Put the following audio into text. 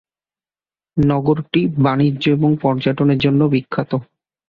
নগরটি বাণিজ্য এবং পর্যটনের জন্য বিখ্যাত।